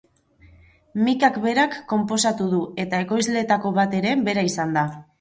Mikak berak konposatu du eta ekoizleetako bat ere bera izan da.